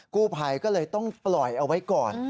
กู้ภัยก็เลยต้องปล่อยเอาไว้ก่อน